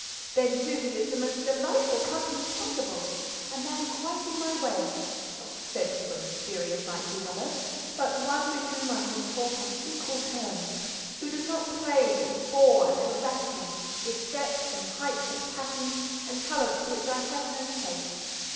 Then too he is the most delightful company possible—a man quite in my way; not sensible and serious like the other; but one with whom I can talk on equal terms—who does not plague and bore, and harass me with depths, and heights, and passions, and talents for which I have no taste.